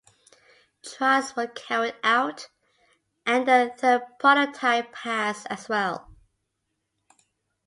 Trials were carried out and the third prototype passed as well.